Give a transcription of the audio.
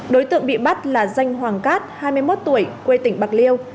đối tượng bị bắt là danh hoàng cát hai mươi một tuổi quê tỉnh bạc liêu